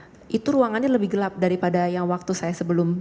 waktu saya sadar itu ruangannya lebih gelap daripada yang waktu saya sebelum itu ya